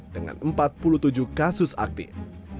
dengan empat puluh tujuh kasus aktif